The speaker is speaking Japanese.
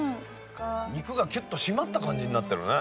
肉がきゅっと締まった感じになってるね。